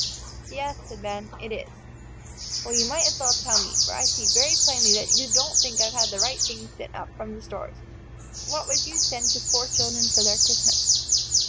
"Yes," said Ben, "it is." "Well, you might as well tell me, for I see very plainly that you don't think I've had the right things sent up from the stores. What would you send to poor children for their Christmas?"